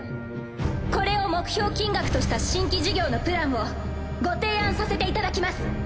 これを目標金額とした新規事業のプランをご提案させていただきます。